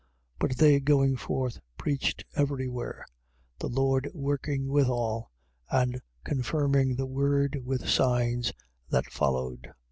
16:20. But they going forth preached every where: the Lord working withal, and confirming the word with signs that followed.